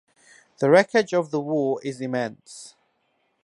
The wreckage of the war is immense.